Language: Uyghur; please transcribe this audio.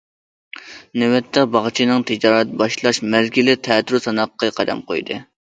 نۆۋەتتە باغچىنىڭ تىجارەت باشلاش مەزگىلى تەتۈر ساناققا قەدەم قويدى.